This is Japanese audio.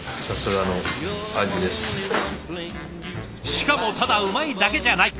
しかもただうまいだけじゃない。